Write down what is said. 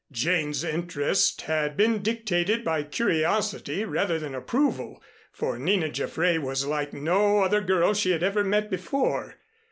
Jane's interest had been dictated by curiosity rather than approval, for Nina Jaffray was like no other girl she had ever met before.